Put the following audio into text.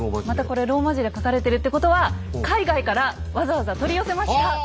またこれローマ字で書かれてるってことは海外からわざわざ取り寄せました。